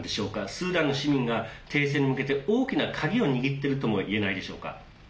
スーダンの市民が停戦に向けて大きな鍵を握っているともいえないでしょうか。